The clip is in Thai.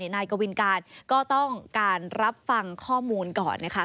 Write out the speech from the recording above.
นายกวินการก็ต้องการรับฟังข้อมูลก่อนนะคะ